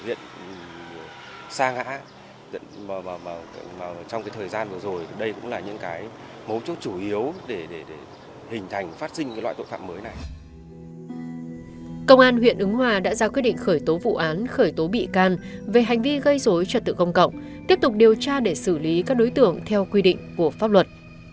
hiện thì cơ quan điều tra đã ra quyết định chương tích đến viện khoa bình sự bộ công an để kết quả kết luận về thương tích của hai bị hại tiếp tục là căn cứ xử lý theo quy định của pháp luật